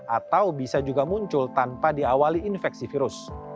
atau bisa juga muncul tanpa diawali infeksi virus